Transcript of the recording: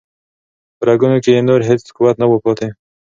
په رګونو کې یې نور هیڅ قوت نه و پاتې.